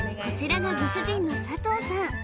こちらがご主人の佐藤さん